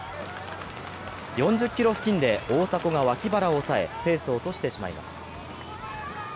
４０ｋｍ付近で大迫が脇腹を押さえペースを落としてしまいます。